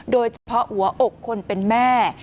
โดยเฉพาะหัวอกคนเป็นแม่